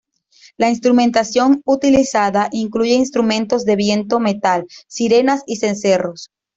La instrumentación utilizada incluye instrumentos de viento-metal, sirenas y cencerros.